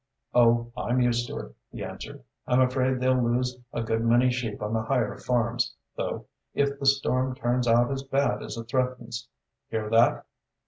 "Oh, I'm used to it," he answered. "I'm afraid they'll lose a good many sheep on the higher farms, though, if the storm turns out as bad as it threatens. Hear that!"